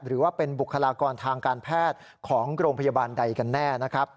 หรือว่าเป็นบุคลากรทางการแพทย์ของโรงพยาบาลใดกันแน่นะครับ